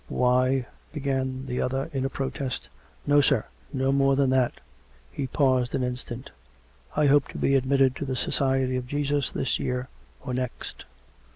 " Why " began the other in a protest. " No, sir ; no more than that. ..." He paused an in stant. " I hope to be admitted to the Society of Jesus this year or next."